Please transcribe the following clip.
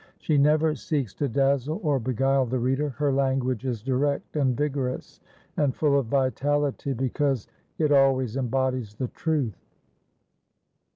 She never seeks to dazzle or beguile the reader; her language is direct and vigorous and full of vitality because it always embodies the truth.